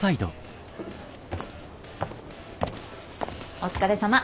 お疲れさま。